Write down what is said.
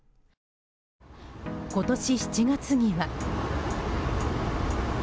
今年７月には。